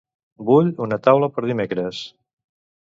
Vull una taula per dimecres.